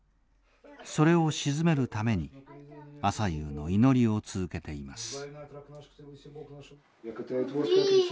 それを静めるために朝夕の祈りを続けています。